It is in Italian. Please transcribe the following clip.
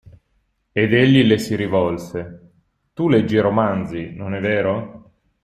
Ed egli le si rivolse: – Tu leggi romanzi, non è vero?